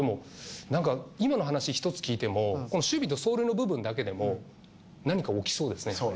今の話１つ聞いても守備と走塁の部分だけでも何か起きそうですね。